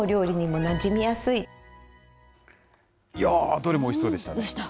どれもおいしそうでしたね。